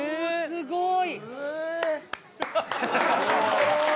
すごい。